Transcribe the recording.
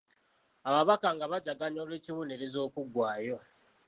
Ababaka nga bajaganya olw'ekibonerezo okugwaayo.